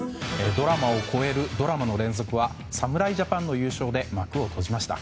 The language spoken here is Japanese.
ドラマを超えるドラマの連続は侍ジャパンの優勝で幕を閉じました。